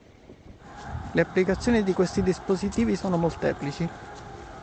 Le applicazioni di questi dispositivi sono molteplici.